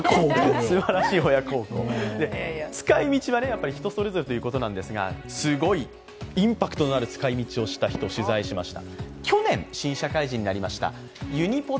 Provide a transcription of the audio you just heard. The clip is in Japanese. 使いみちは人それぞれということなんですがすごいインパクトのある使い道をした人、取材しました。